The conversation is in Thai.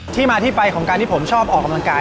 ที่มาที่ไปของการที่ผมชอบออกกำลังกาย